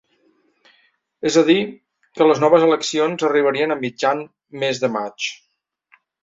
És a dir, que les noves eleccions arribarien a mitjan mes de maig.